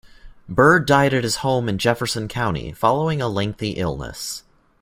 Byrd died at his home in Jefferson County following a lengthy illness.